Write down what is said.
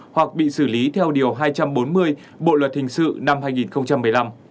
hoặc bị xử lý theo điều hai trăm bốn mươi bộ luật hình sự năm hai nghìn một mươi năm